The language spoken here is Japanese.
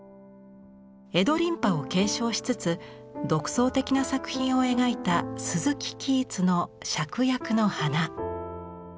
江戸琳派を継承しつつ独創的な作品を描いた鈴木其一の芍薬の花。